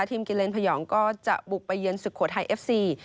กิเลนพยองก็จะบุกไปเยือนสุโขทัยเอฟซี